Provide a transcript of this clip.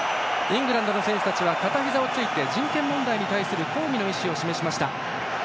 イングランドの選手たちは片ひざをついて人権問題に対する抗議の意思を示しました。